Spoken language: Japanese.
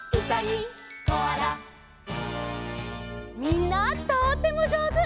みんなとってもじょうず！